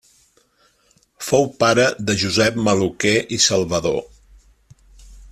Fou pare de Josep Maluquer i Salvador.